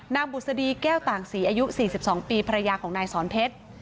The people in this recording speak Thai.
นางบุษดีแก้วต่างสีอายุสี่สิบสองปีภรรยาของนายสอนเพชร